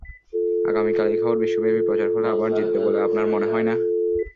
আগামীকাল এই খবর বিশ্বব্যাপী প্রচার হলে, আবার জিতবে বলে আপনার মনে হয় না?